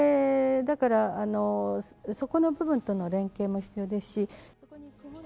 だから、そこの部分との連携も必要ですし。